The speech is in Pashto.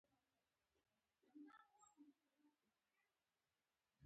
خو خپله لومړۍ ماته یې هغه وخت وخوړه.